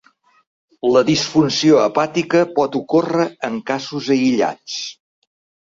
La disfunció hepàtica pot ocórrer en casos aïllats.